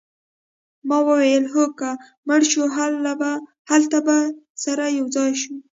ما وویل هو که مړه شوو هلته به سره یوځای شو